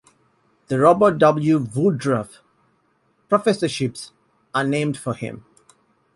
The Robert W. Woodruff Professorships are named for him.